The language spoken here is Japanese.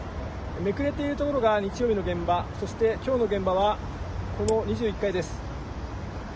めくれている所が日曜日の現場、そしてきょうの現場はこの２１階です。